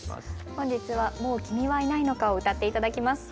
本日は「もう君はいないのか」を歌って頂きます。